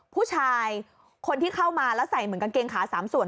ผู้ชายคนที่เข้ามาแล้วใส่เหมือนกางเกงขา๓ส่วน